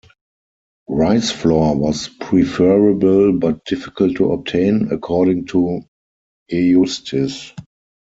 Rice flour was preferable but difficult to obtain, according to Eustis.